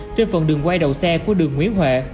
trên phần đường quay đầu xe của đường nguyễn huệ